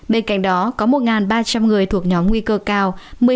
bên cạnh đó có một ba trăm linh người thuộc nhóm nguy cơ cao